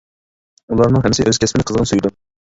ئۇلارنىڭ ھەممىسى ئۆز كەسپىنى قىزغىن سۆيىدۇ.